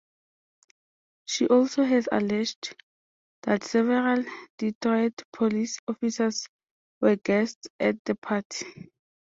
She also has alleged that several Detroit police officers were guests at the party.